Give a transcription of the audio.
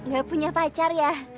gak punya pacar ya